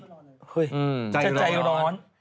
เฮ้ยจะใจร้อน